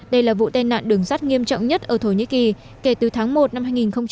đây là vụ tai nạn đường sát nghiêm trọng nhất ở thổ nhĩ kỳ kể từ tháng một năm hai nghìn bốn